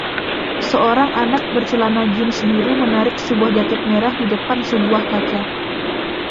Seorang anak bercelana jeans biru menarik sebuah jaket merah di depan sebuah kaca